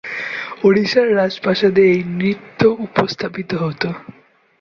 ওড়িশার রাজপ্রাসাদে এই নৃত্য উপস্থাপিত হত।